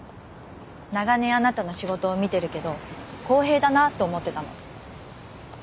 長年あなたの仕事を見てるけど公平だなと思ってたの。